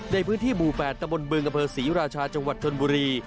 ในพื้นที่หมู่๘ตะบนบึงอำเภอศรีราชาจังหวัดชนบุรี